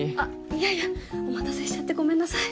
いやいやお待たせしちゃってごめんなさい。